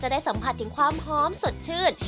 ได้สัมผัสถึงความหอมสดชื่น